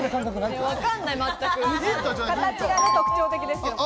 形が特徴的ですよね。